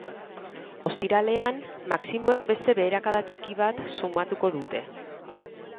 Ostiralean, maximoek beste beherakada txiki bat sumatuko dute.